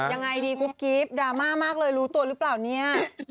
ยังไงดีกุ๊บกิ๊บดราม่ามากเลยรู้ตัวหรือเปล่าเนี่ย